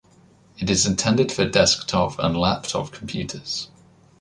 It is intended for desktop and laptop computers.